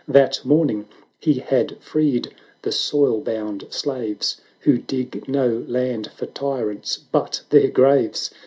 That morning he had freed the soil bound slaves. Who dig no land for tyrants but their graves